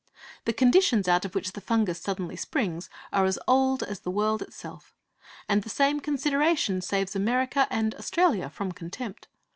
The conditions out of which the fungus suddenly springs are as old as the world itself. And that same consideration saves America and Australia from contempt.